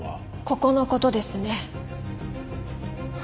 ここの事ですね。